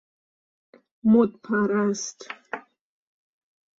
مد پرست